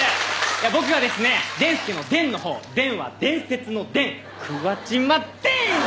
僕がですねでんすけの「でん」のほう「でん」は伝説の「伝」桑島伝！